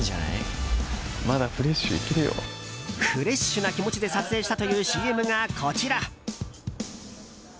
フレッシュな気持ちで撮影したというＣＭがこちら。